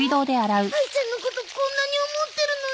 あいちゃんのことこんなに思ってるのに。